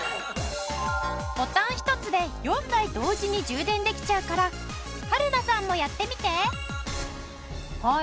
ボタン１つで４台同時に充電できちゃうから春菜さんもやってみて！